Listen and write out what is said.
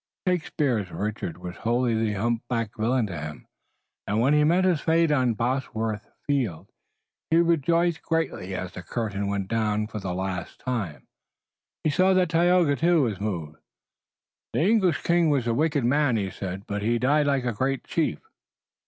Shakespeare's Richard was wholly the humpbacked villain to him, and when he met his fate on Bosworth Field he rejoiced greatly. As the curtain went down for the last time he saw that Tayoga, too, was moved. "The English king was a wicked man," he said, "but he died like a great chief."